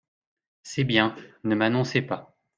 C’est bien… ne m’annoncez pas !